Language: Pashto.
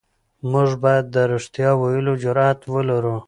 موږ بايد د رښتيا ويلو جرئت ولرو.